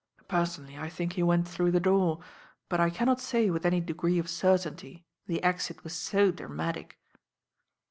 "Personally I think he went through the door; but I cannot say with any degree of certainty, the exit was so dramatic."